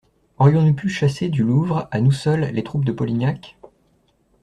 Aurions-nous pu chasser du Louvre, à nous seuls, les troupes de Polignac?